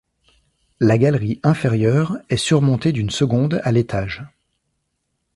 La galerie inférieure est surmontée d’une seconde à l’étage.